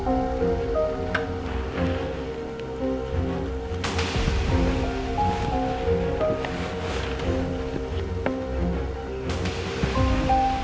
andi sering buka lagi ini